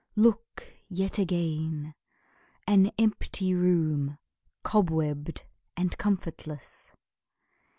... Look yet again An empty room, cobwebbed and comfortless.